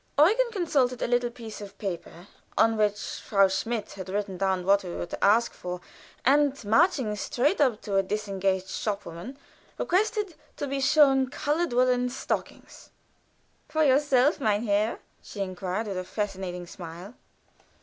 Eugen consulted a little piece of paper on which Frau Schmidt had written down what we were to ask for, and, marching straight up to a disengaged shop woman, requested to be shown colored woolen stockings. "For yourself, mein Herr?" she inquired, with a fascinating smile.